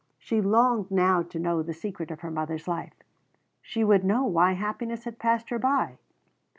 She longed now to know the secret of her mother's life; she would know why happiness had passed her by.